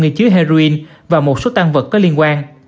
nghi chứa heroin và một số tăng vật có liên quan